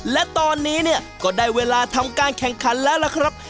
และตอนนี้เนี่ยก็ได้เวลาทำการแข่งขันแล้วล่ะครับ